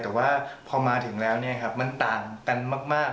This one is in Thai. แต่ว่าพอมาถึงแล้วมันต่างกันมาก